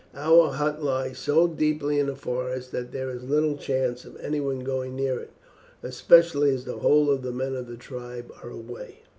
Our hut lies so deeply in the forest that there is little chance of anyone going near it, especially as the whole of the men of the tribe are away."